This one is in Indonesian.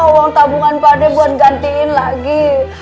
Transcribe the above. uang tabungan pak ade buat gantiin lagi